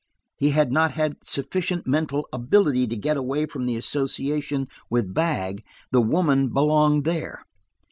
He had not had sufficient mental ability to get away from the association with "bag." The "woman" belonged there.